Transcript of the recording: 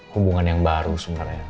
hubungan yang baru sebenarnya